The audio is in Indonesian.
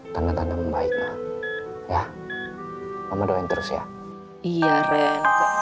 tanda tanda membaik mah ya mama doain terus ya iya ren